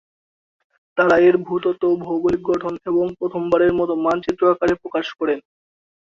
তারা এর ভূতত্ত্ব ও ভৌগোলিক গঠন এবং প্রথমবারের মতো মানচিত্র আকারে প্রকাশ করেন।